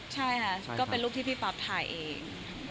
ใช่ค่ะก็เป็นรูปที่พี่ป๊อปถ่ายเอง